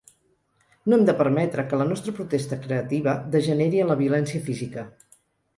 No hem de permetre que la nostra protesta creativa degeneri en la violència física.